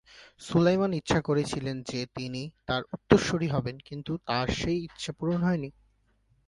সুলাইমান ইচ্ছা করেছিলেন যে তিনি তাঁর উত্তরসূরি হবেন, কিন্তু তাঁর সেই ইচ্ছে পূরণ হয়নি।